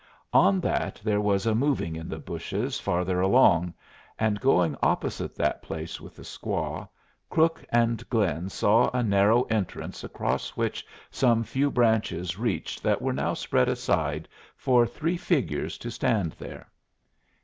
On that there was a moving in the bushes farther along, and, going opposite that place with the squaw, Crook and Glynn saw a narrow entrance across which some few branches reached that were now spread aside for three figures to stand there.